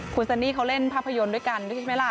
คุณสันนีเขาเล่นภาพยนตร์ด้วยกันด้วยทิศไม่ลา